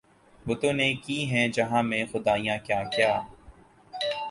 بتوں نے کی ہیں جہاں میں خدائیاں کیا کیا